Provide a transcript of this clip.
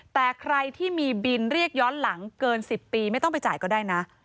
แต่ใครที่มีบินเรียกย้อนหลังเกิน๑๐ปีไม่ต้องไปจ่ายก็ได้นะ